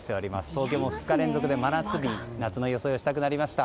東京も２日連続で真夏日夏の装いをしたくなりました。